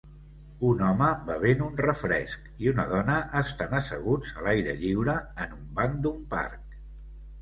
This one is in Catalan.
Un home bevent un refresc i una dona estan asseguts a l'aire lliure en un banc d'un parc.